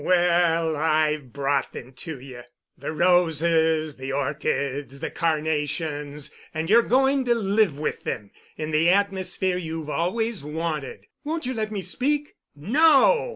"Well, I've brought them to you—the roses, the orchids, the carnations, and you're going to live with them, in the atmosphere you've always wanted——" "Won't you let me speak?" "No!"